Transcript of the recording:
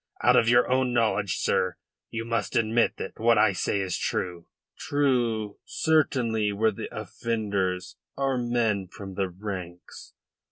Out of your own knowledge, sir, you must admit that what I say is true." "True, certainly, where the offenders are men from the ranks.